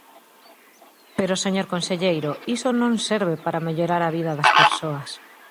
Pero, señor conselleiro, iso non serve para mellorar a vida das persoas.